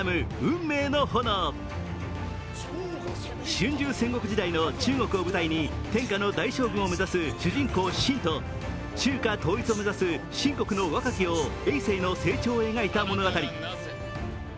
春秋戦国時代の中国を舞台に天下の代将軍を目指す主人公・信と中華統一を目指す秦国の若き王・えい政の成長を描いた物語。